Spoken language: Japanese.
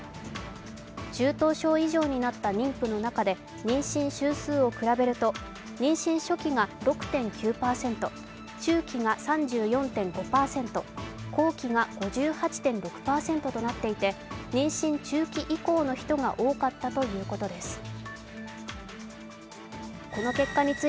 中等症以上になった妊婦の中で妊娠週数を比べると妊娠初期が６．９％、中期が３４．５％後期が５８．６％となっていて妊娠中期以降の人が多かったということです。